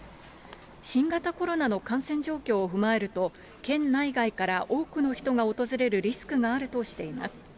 新型コロナの感染状況を踏まえると、県内外から多くの人が訪れるリスクがあるとしています。